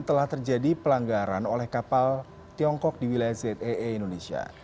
telah terjadi pelanggaran oleh kapal tiongkok di wilayah zee indonesia